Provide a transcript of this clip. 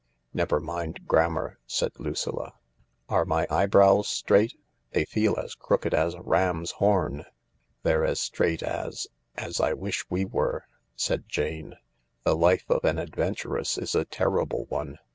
"Never mind grammar," said Lucilla. "Are my eye brows straight ? They feel as crooked as a ram's horn." "They're as straight as— as I wish we were," said Jane. " The life of an adventuress is a terrible one.